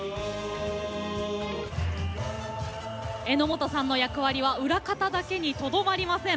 榎本さんの役割は裏方だけにとどまりません。